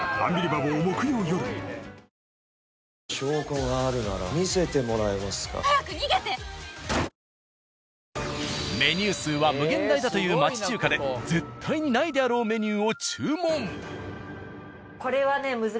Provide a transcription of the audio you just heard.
このあとメニュー数は無限大だという町中華で絶対にないであろうメニューを注文。